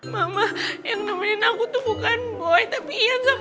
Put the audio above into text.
mama yang nemenin aku tuh bukan boy tapi ian sama gary